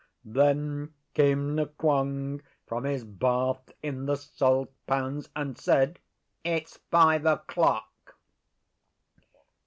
Then came Nqong from his bath in the salt pans, and said, 'It's five o'clock.